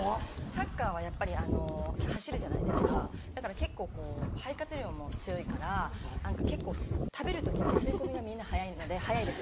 サッカーはやっぱり走るじゃないですかだから結構肺活量も強いから結構食べる時に吸い込みがみんな早いので早いです。